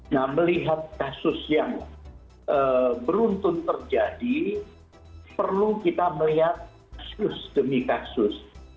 nah melihat kasus yang beruntun terjadi perlu kita melihat kasus demi kasus